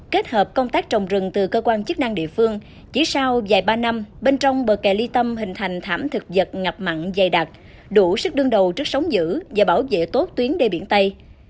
kết hợp công tác trồng rừng từ cơ quan chức năng địa phương chỉ sau vài ba năm bên trong bờ kè ly tâm hình thành thảm thực vật mặn dày đặc đủ sức đương đầu trước sóng giữ và bảo vệ tốt tuyến đê biển tây